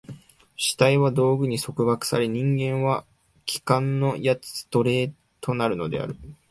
主体は道具に束縛され、人間は器官の奴隷となるのである。